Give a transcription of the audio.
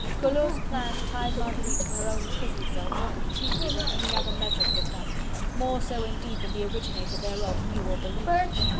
Collot's plan tied Marguerite to her own prison cell more completely than any other measure could have done, more so indeed than the originator thereof knew or believed....